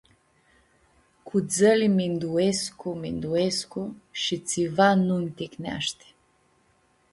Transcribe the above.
Cu dzãli minduescu, minduescu shi tsiva nu nj-ticneashti.